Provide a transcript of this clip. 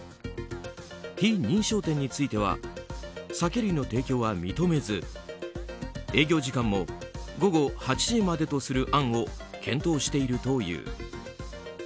非認証店に対しては酒類の提供は認めず営業時間も午後８時までとする案を検討しているという。